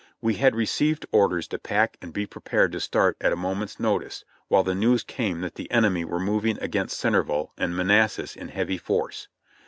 We had received orders to pack and be prepared to start at a moment's notice, while the news came that the enemy were moving against Centerville and Manassas in heavy force.